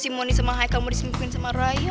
si moni sama haikal mau disimpulin sama raya